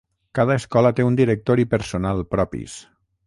Cada escola té un director i personal propis.